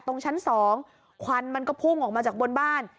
ชั้น๒ควันมันก็พุ่งออกมาจากบนบ้าน